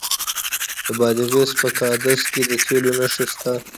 د بادغیس په قادس کې د تیلو نښې شته.